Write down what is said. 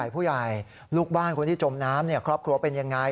ผู้ใหญ่ลูกบ้านคนที่จมน้ำครอบครัวเป็นยังไง